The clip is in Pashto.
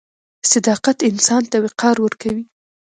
• صداقت انسان ته وقار ورکوي.